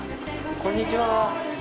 こんにちは。